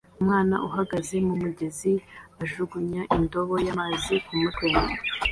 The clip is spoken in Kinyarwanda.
Umwana uhagaze mumugezi ajugunya indobo y'amazi kumutwe